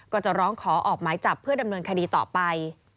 ก็จะร้องขอออกหมายจับเพื่อดำเนินคดีต่อไป